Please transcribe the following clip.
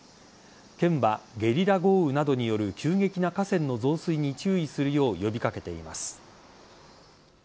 県は、ゲリラ豪雨などによる急激な河川の増水に注意するよう呼び掛けています。